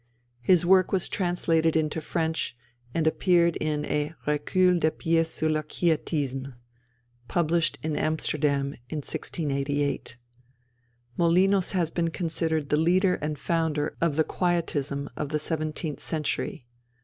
His work was translated into French and appeared in a Recueil de pièces sur le Quiétisme, published in Amsterdam 1688. Molinos has been considered the leader and founder of the Quietism of the seventeenth century.